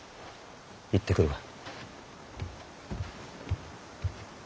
行ってくるわ。